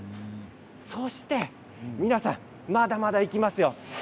そして、皆さん、まだまだいきますよ。